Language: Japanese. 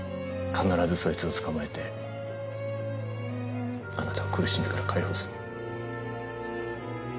必ずそいつを捕まえてあなたを苦しみから解放する。